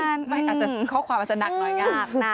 อาจจะข้อความอาจจะหนักหน่อยนะ